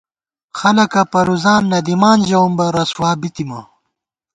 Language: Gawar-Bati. خلَکہ پرُوزان نہ دِمان، ژَوُم بہ رسوابِی تِمہ